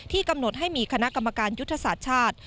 กำหนดให้มีคณะกรรมการยุทธศาสตร์ชาติ